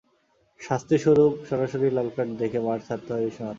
শাস্তিস্বরূপ সরাসরি লাল কার্ড দেখে মাঠ ছাড়তে হয় বিশ্বনাথকে।